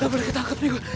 gak boleh ketangkep nih gue